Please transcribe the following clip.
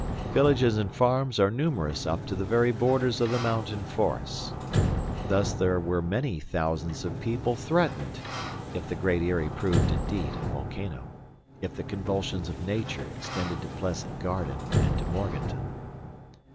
Villages and farms are numerous up to the very borders of the mountain forests. Thus there were many thousands of people threatened, if the Great Eyrie proved indeed a volcano, if the convulsions of nature extended to Pleasant Garden and to Morganton.